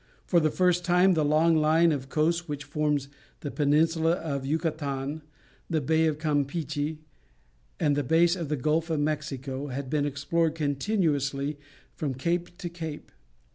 For the first time the long line of coast which forms the peninsula of Yucatan, the Bay of Campeachy, and the base of the Gulf of Mexico, had been explored continuously from cape to cape.